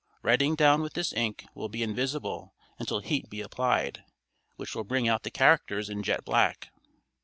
Writing done with this ink will be invisible until heat be applied, which will bring out the characters in jet black.